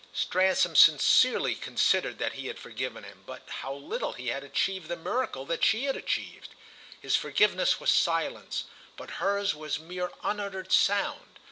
Stransom sincerely considered that he had forgiven him; but how little he had achieved the miracle that she had achieved! His forgiveness was silence, but hers was mere unuttered sound.